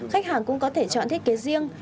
khách hàng cũng có thể chọn thiết kế riêng